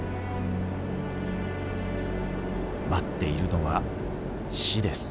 待っているのは死です。